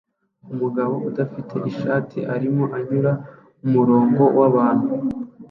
Umugabo udafite ishati arimo anyura mumurongo wabantu